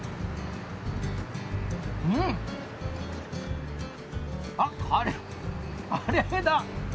うん！あっカレーカレーだ。